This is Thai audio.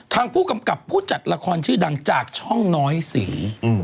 ทางผู้กำกับผู้จัดละครชื่อดังจากช่องน้อยสี